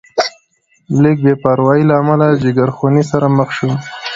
لږې بې پروایۍ له امله جیګرخونۍ سره مخ شوم.